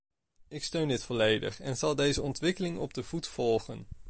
Ik steun dit volledig en zal deze ontwikkeling op de voet volgen.